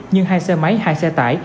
nhưng hai xe máy hai xe tải